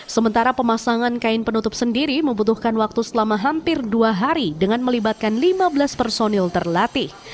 sementara pemasangan kain penutup sendiri membutuhkan waktu selama hampir dua hari dengan melibatkan lima belas personil terlatih